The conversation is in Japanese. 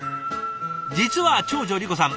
実は長女莉子さん